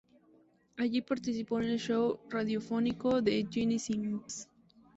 Allí participó en el show radiofónico de Ginny Simms.